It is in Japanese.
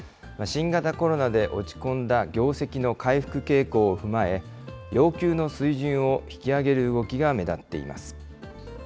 新型コロナで落ち込んだ業績の回復傾向を踏まえ、要求の水準を引き上げる動きが目立っています。